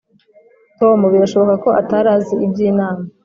tom birashoboka ko atari azi iby'inama.